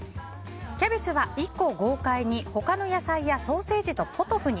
キャベツは１個を豪快に他の野菜やソーセージとポトフに。